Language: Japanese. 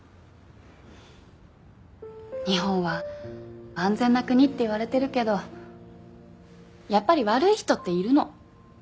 日本は安全な国って言われてるけどやっぱり悪い人っているの。